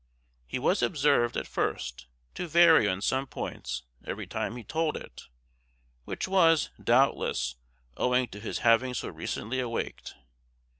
He was observed, at first, to vary on some points every time he told it, which was, doubtless, owing to his having so recently awaked.